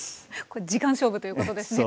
これ時間勝負ということですね